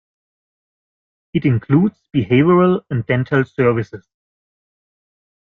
It includes behavioral and dental services.